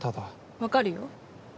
分かるよ。